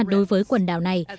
đối với quần đảo này